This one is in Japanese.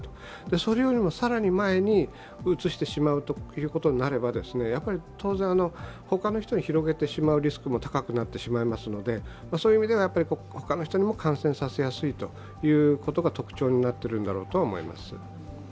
それよりも更に前にうつしてしまうことになれば当然、ほかの人に広げてしまうリスクも高くなってしまいますので、他の人にも感染させやすいということが特徴になっているんだろうと思います。